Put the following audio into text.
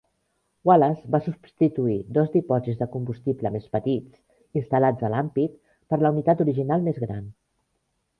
Wallace va substituir dos dipòsits de combustible més petits, instal·lats a l'ampit, per la unitat original més gran.